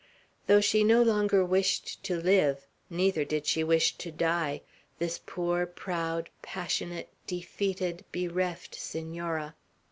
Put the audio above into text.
Though she no longer wished to live, neither did she wish to die, this poor, proud, passionate, defeated, bereft Senora.